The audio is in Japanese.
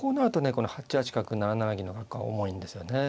この８八角７七銀の格好は重いんですよね。